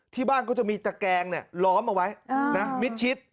ที่บ้านก็จะมีตะแกงล้อมเอาไว้มิจชิต